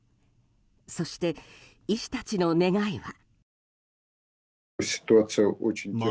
そして、医師たちの願いは。